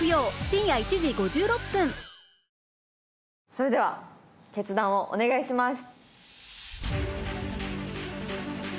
それでは決断をお願いします。